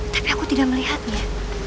tapi aku tidak melihatnya